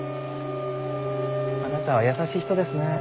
あなたは優しい人ですねえ。